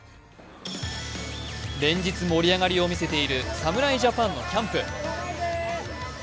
連日盛り上がりを見せている侍ジャパンのキャンプ。